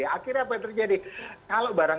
akhirnya apa yang terjadi kalau barang